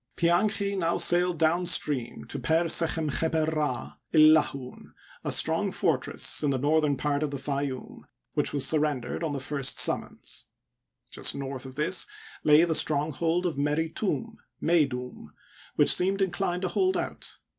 Pianchi now sailed down stream to Per ' Sec kern ckeper ' Rd (lUahun), a strong fortress in the.northem part of the Fayoum, which was surrendered on the first summons. Just north of this lay the stronghold of Meri Tum (Meydoum), which seemed inclined to hold out.